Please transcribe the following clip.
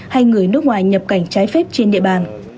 hay người nước ngoài nhập cảnh trái phép trên địa bàn